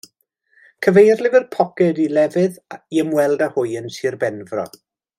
Cyfeirlyfr poced i lefydd i ymweld â hwy yn Sir Benfro.